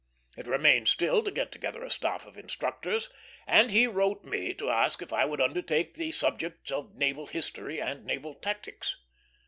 It remained still to get together a staff of instructors, and he wrote me to ask if I would undertake the subjects of naval history and naval tactics.